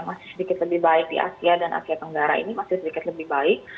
masih sedikit lebih baik di asia dan asia tenggara ini masih sedikit lebih baik